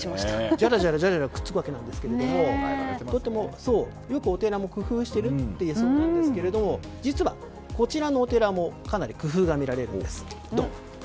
じゃらじゃらとくっつくわけなんですがよく、お寺も工夫しているそうなんですが実は、こちらのお寺もかなり工夫が見られるんです。